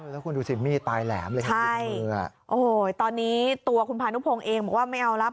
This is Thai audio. แล้วคุณดูสิมีดปลายแหลมเลยนะติดมือโอ้โหตอนนี้ตัวคุณพานุพงศ์เองบอกว่าไม่เอาแล้ว